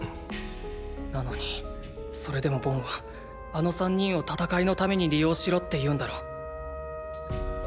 なのにそれでもボンはあの３人を戦いのために利用しろって言うんだろう？